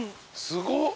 すごい。